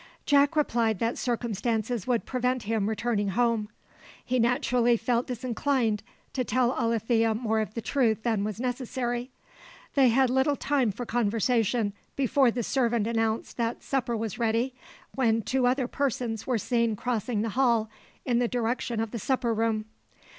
Jack replied that circumstances would prevent him returning home. He naturally felt disinclined to tell Alethea more of the truth than was necessary. They had little time for conversation before the servant announced that supper was ready, when two other persons were seen crossing the hall in the direction of the supper room.